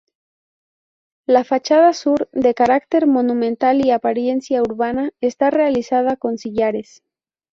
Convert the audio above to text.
La fachada sur, de carácter monumental y apariencia urbana, está realizada con sillares.